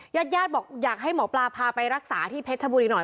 ญาติญาติบอกอยากให้หมอปลาพาไปรักษาที่เพชรชบุรีหน่อย